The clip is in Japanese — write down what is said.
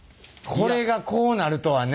これがこうなるとはね！